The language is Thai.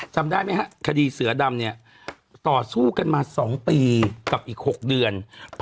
จำได้ไหมฮะคดีเสือดำเนี่ยต่อสู้กันมา๒ปีกับอีก๖เดือน